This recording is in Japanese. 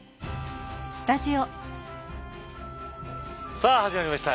さあ始まりました。